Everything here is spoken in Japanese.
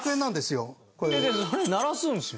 これ鳴らすんですよ？